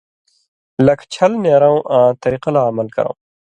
لَکھ چھل نېرؤں آں طریقہ لا عمل کرؤں۔